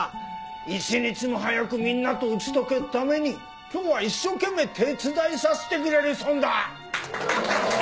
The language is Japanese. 一日も早くみんなと打ち解けるために今日は一生懸命手伝いさしてくれるそうだ。